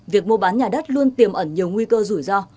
việc mua bán nhà đất luôn tiềm ẩn nhiều nguy cơ rủi ro